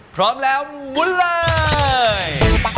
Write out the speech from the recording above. พร้อมแล้วมุนเลย